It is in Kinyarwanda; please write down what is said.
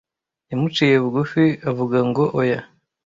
Yamuciye bugufi avuga ngo oya.